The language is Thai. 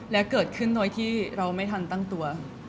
และเกิดขึ้นโดยที่เราไม่ทันตั้งตัว